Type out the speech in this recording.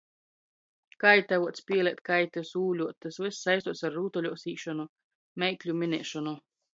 Kaitavuot, spēlēt kaitys, ūļuot, tys vyss saistuos ar rūtaļuos īšonu, meikļu miniešonu.